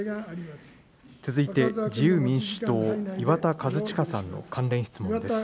続いて自由民主党、岩田和親さんの関連質問です。